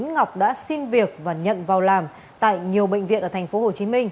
ngọc đã xin việc và nhận vào làm tại nhiều bệnh viện ở tp hcm